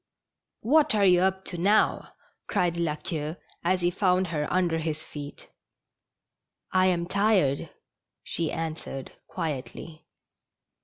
" What are you up to now? cried La Queue, as he found her under his feet. " I am tired,'' she answered, quietly.